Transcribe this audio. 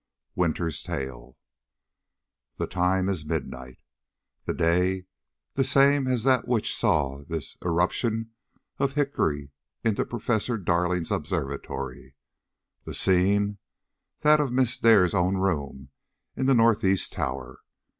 WINTER'S TALE. THE time is midnight, the day the same as that which saw this irruption of Hickory into Professor Darling's observatory; the scene that of Miss Dare's own room in the northeast tower.